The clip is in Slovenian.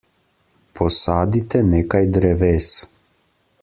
Posadite nekaj dreves.